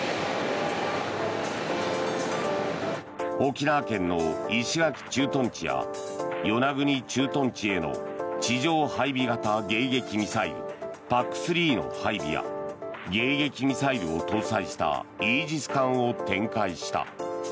沖縄県の石垣駐屯地や与那国駐屯地への地上配備型迎撃ミサイルＰＡＣ３の配備や迎撃ミサイルを搭載したイージス艦を展開した。